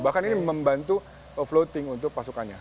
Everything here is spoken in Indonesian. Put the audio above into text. bahkan ini membantu floating untuk pasukannya